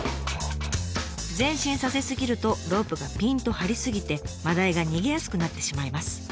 前進させ過ぎるとロープがピンと張り過ぎて真鯛が逃げやすくなってしまいます。